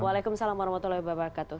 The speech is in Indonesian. waalaikumsalam warahmatullahi wabarakatuh